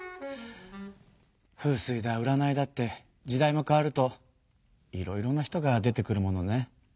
風水だ占いだって時代も変わるといろいろな人が出てくるものね。